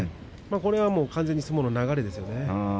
これは完全に相撲の流れですよね。